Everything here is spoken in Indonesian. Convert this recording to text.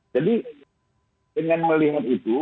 jadi dengan melihat itu